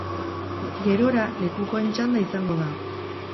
Gerora, lekukoen txanda izango da.